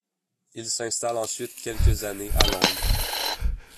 Il s'installe ensuite quelques années à Londres.